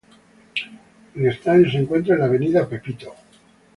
El estadio se encuentra en la Av.